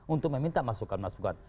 untuk meminta masukan masukan